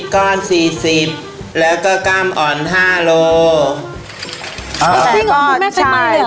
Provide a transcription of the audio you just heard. อกสามสิบก้อนสี่สิบแล้วก็กล้ามอ่อนห้าโล